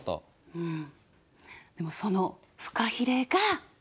うん。